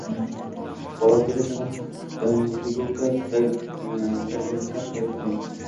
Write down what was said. Bolaligida jamoaviy prigulka sakraganlar, xayrli tong!